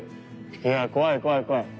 いや怖い怖い怖い。